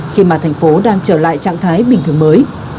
thấm nhận lời giáo